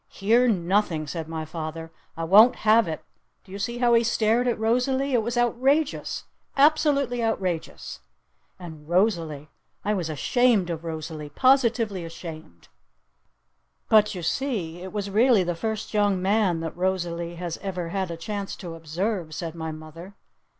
"Hear nothing!" said my father. "I won't have it! Did you see how he stared at Rosalee? It was outrageous! Absolutely outrageous! And Rosalee? I was ashamed of Rosalee! Positively ashamed!" "But you see it was really the first young man that Rosalee has ever had a chance to observe," said my mother.